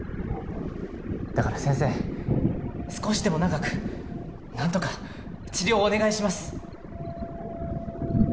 だから先生、少しでも長く、なんとか治療をお願いします。